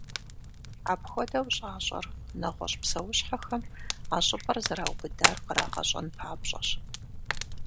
Апхуэдэу щӏащӏэр, нэгъуэщӏ псэущхьэхэм, а щӏыпӏэр зэраубыдар кърагъэщӏэн папщӏэщ.